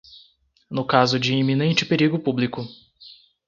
no caso de iminente perigo público